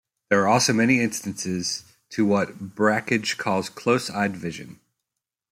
There are also many instances to what Brakhage calls "close-eyed vision".